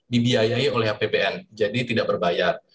dibiayai oleh apbn jadi tidak berbayar